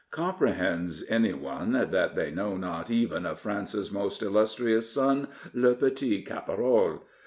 Comprehends any one that they know not even of France's most illustrious son, le petit caporal?"